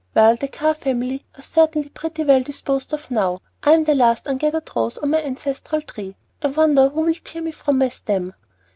"Well, the Carr family are certainly pretty well disposed of now. I am 'the last ungathered rose on my ancestral tree.' I wonder who will tear me from my stem!"